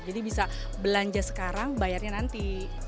jadi bisa belanja sekarang bayarnya nanti